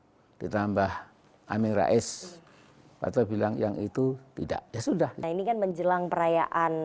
hai ditambah amin rais atau bilang yang itu tidak ya sudah jadi kan menjelang perayaan